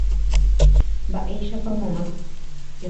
Mba'éichapa mamá